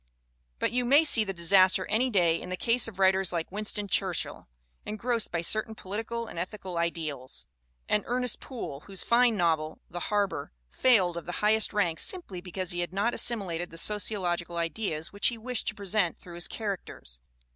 But you may see the disaster any day in the case of writers like Winston Churchill, engrossed by certain political and ethical ideals, and Ernest Poole, whose fine novel The Harbor failed of the highest rank simply because he had not assimilated the sociological ideas which he wished to present through his characters.